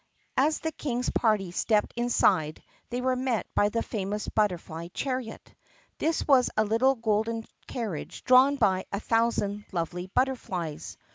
As the King's party stepped inside they were met by the famous butterfly chariot. This was a little golden carriage drawn by a thousand lovely butterflies.